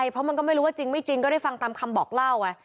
เพราะมันก็ไม่รู้ว่าจริงไม่จริงก็ได้ฟังตามคำบอกเล่าไง